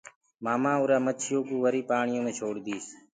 مآمآ اُرآ مڇيو ڪوُ وري پآڻيو مي ڇوڙ ديس۔